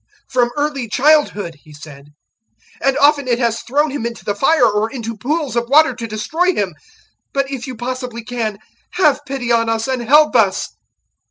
"From early childhood," he said; 009:022 "and often it has thrown him into the fire or into pools of water to destroy him. But, if you possibly can, have pity on us and help us."